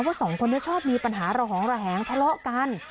สองคนนี้ชอบมีปัญหาระหองระแหงทะเลาะกัน